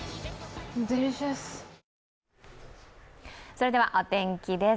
それではお天気です。